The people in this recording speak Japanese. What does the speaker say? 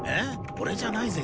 オレじゃないぜ？